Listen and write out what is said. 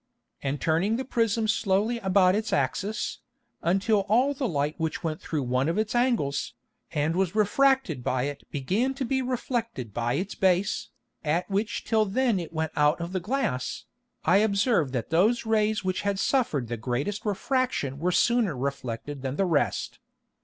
And turning the Prism slowly about its Axis, until all the Light which went through one of its Angles, and was refracted by it began to be reflected by its Base, at which till then it went out of the Glass, I observed that those Rays which had suffered the greatest Refraction were sooner reflected than the rest.